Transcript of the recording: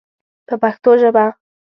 په پښتو ژبه.